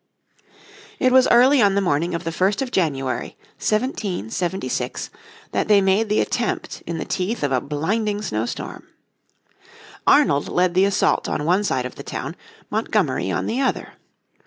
It was early on the morning of the 1st of January, 1776, that they made the attempt in the teeth of a blinding snow storm. Arnold led the assault on one side of the town, Montgomery on the other.